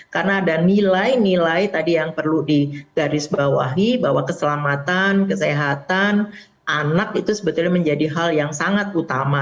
karena ada nilai nilai tadi yang perlu di garis bawahi bahwa keselamatan kesehatan anak itu sebetulnya menjadi hal yang sangat utama